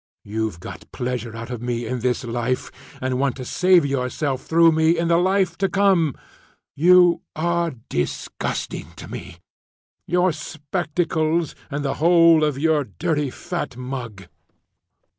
"You've got pleasure out of me in this life, and want to save yourself through me in the life to come. You are disgusting to me your spectacles and the whole of your dirty fat mug.